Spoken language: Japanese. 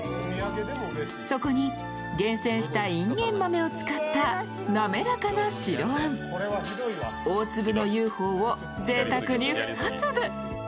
そこに厳選したいんげん豆を使った滑らかな白あん、大粒の雄宝をぜいたくに２粒。